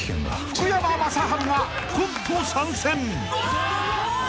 ［福山雅治がコント参戦］